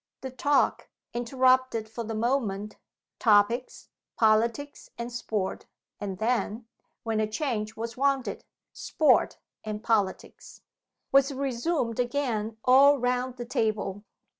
The talk, interrupted for the moment (topics, Politics and Sport and then, when a change was wanted, Sport and Politics), was resumed again all round the table.